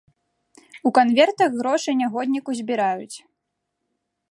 У канвертах грошы нягодніку збіраюць!